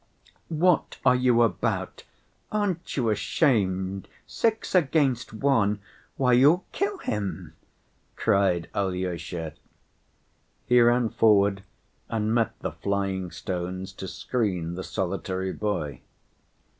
"What are you about! Aren't you ashamed? Six against one! Why, you'll kill him," cried Alyosha. He ran forward and met the flying stones to screen the solitary boy.